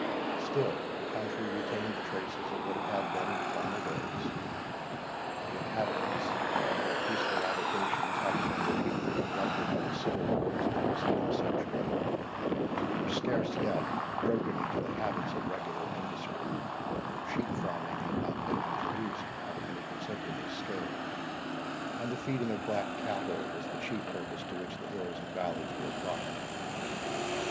Still the country retained traces of what it had been in former days; the inhabitants, their more peaceful avocations having been repeatedly interrupted by the civil wars of the preceding century, were scarce yet broken in to the habits of regular industry, sheep farming had not been introduced upon any considerable scale, and the feeding of black cattle was the chief purpose to which the hills and valleys were applied.